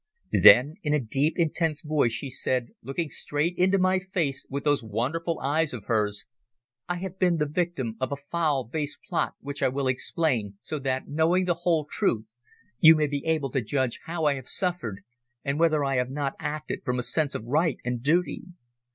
Then in a deep, intense voice she said, looking straight into my face with those wonderful eyes of hers, "I have been the victim of a foul, base plot which I will explain, so that, knowing the whole truth, you may be able to judge how I have suffered, and whether I have not acted from a sense of right and duty.